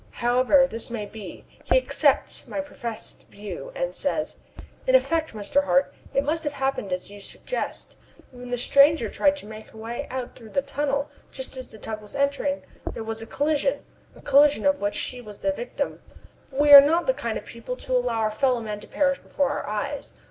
However this may be, he accepts my professed view, and says: "In effect, Mr. Hart, it must have happened as you suggest, and when the stranger tried to make her way out through the tunnel just as the tug was entering, there was a collision a collision of which she was the victim. But we are not the kind of people to allow our fellow men to perish before our eyes.